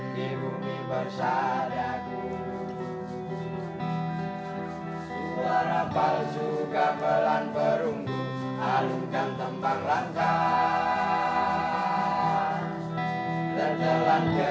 di bumi bersadar